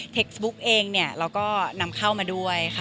บุ๊กเองเนี่ยเราก็นำเข้ามาด้วยค่ะ